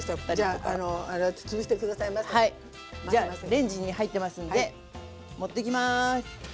レンジに入ってますんで持ってきます。